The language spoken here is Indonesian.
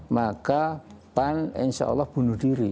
maka pan insya allah bunuh diri